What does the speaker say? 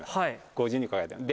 ５２個書いてある。